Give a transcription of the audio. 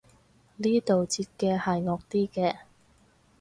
呢度截嘅係惡啲嘅